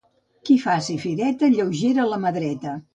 Qui faci fireta, lleugera la mà dreta.